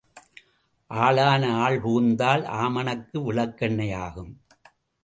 ஆளான ஆள் புகுந்தால் ஆமணக்கு விளக்கெண்ணெய் ஆகும்.